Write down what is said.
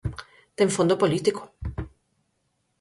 Ten fondo político.